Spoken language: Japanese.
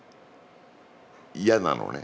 嫌なのね。